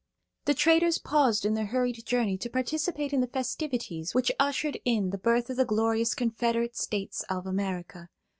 The traders paused in their hurried journey to participate in the festivities which ushered in the birth of the glorious Confederate States of America.